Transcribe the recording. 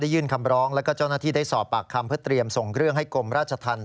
ยื่นคำร้องแล้วก็เจ้าหน้าที่ได้สอบปากคำเพื่อเตรียมส่งเรื่องให้กรมราชธรรม